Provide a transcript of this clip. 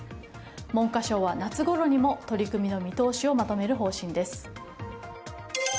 文科省は夏ごろにも取り組みの見通しをまとめる方針です。